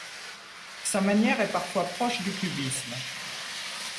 Sa manière est parfois proche du cubisme.